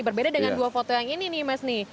berbeda dengan dua foto yang ini nih mas nih